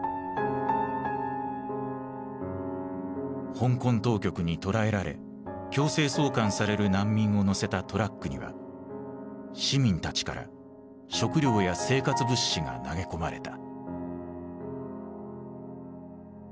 香港当局に捕らえられ強制送還される難民を乗せたトラックには市民たちから食糧や生活物資が投げ込まれた。